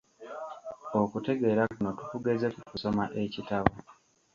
Okutegeera kuno tukugeze ku kusoma ekitabo.